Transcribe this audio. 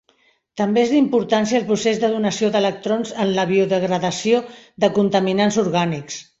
També és d'importància el procés de donació d'electrons en la biodegradació de contaminants orgànics.